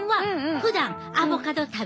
ふだんアボカド食べる？